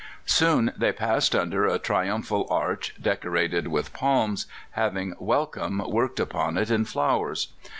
Soon they passed under a triumphal arch, decorated with palms, having "Welcome" worked upon it in flowers.